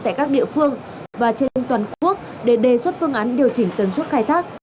tại các địa phương và trên toàn quốc để đề xuất phương án điều chỉnh tần suất khai thác